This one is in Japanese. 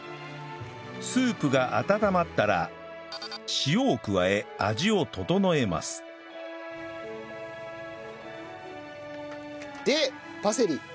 スープが温まったら塩を加え味を調えますでパセリ。